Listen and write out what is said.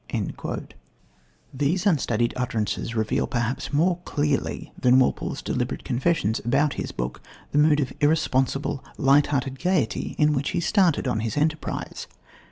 " These unstudied utterances reveal, perhaps more clearly than Walpole's deliberate confessions about his book, the mood of irresponsible, light hearted gaiety in which he started on his enterprise.